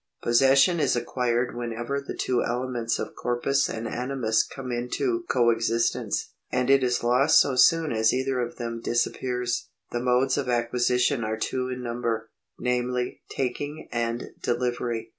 Possession is acquired whenever the two elements of corpus and animus come into co existence, and it is lost so soon as either of them disappears. The modes of acquisition are two in number, namely Taking and Delivery.